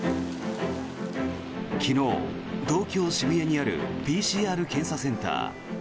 昨日、東京・渋谷にあるＰＣＲ検査センター。